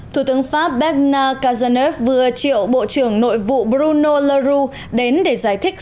thủ tướng pháp bernard cazeneuve vừa triệu bộ trưởng nội vụ bruno leroux đến để giải thích